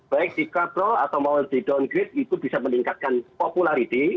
baik di kabrol atau mau di downgrade itu bisa meningkatkan popularity